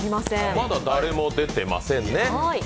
まだ誰も出てませんね。